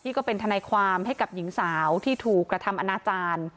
ก็เป็นทนายความให้กับหญิงสาวที่ถูกกระทำอนาจารย์